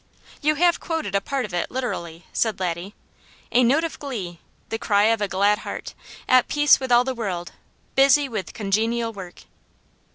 "You have quoted a part of it, literally," said Laddie. "'A note of glee' the cry of a glad heart, at peace with all the world, busy with congenial work."